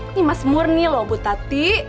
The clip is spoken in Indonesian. ini mas murni loh bu tati